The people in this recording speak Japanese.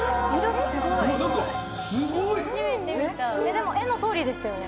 でも絵のとおりでしたよね。